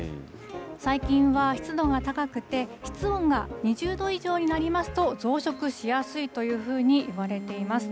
最近は湿度が高くて、室温が２０度以上になりますと、増殖しやすいというふうにいわれています。